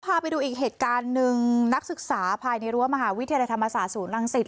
พาไปดูอีกเหตุการณ์หนึ่งนักศึกษาภายในรั้วมหาวิทยาลัยธรรมศาสตร์ศูนย์รังสิต